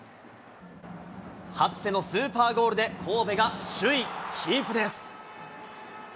初瀬のスーパーゴールで神戸が首位キープです。